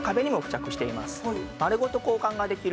丸ごと交換ができる